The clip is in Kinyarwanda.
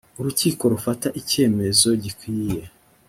urukiko rufata icyemezo gikwiye.